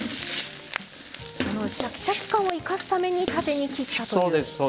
シャキシャキ感を生かすために縦に切ったという。